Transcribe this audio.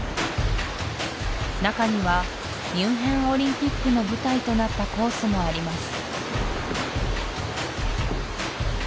中にはミュンヘンオリンピックの舞台となったコースもあります